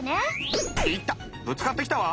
ぶつかってきたわ！